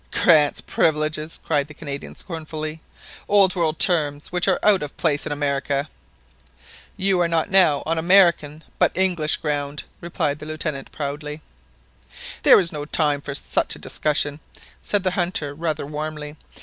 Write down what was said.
"Grants! privileges !" cried the Canadian scornfully, "old world terms which are out of place in America !" "You are not now on American but on English ground," replied the Lieutenant proudly. "This is no time for such a discussion," said the hunter rather warmly.